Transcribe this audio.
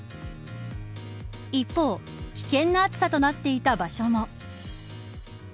一方、危険な暑さとなっていた場所も。